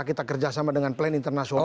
kita kerja sama dengan plan internasional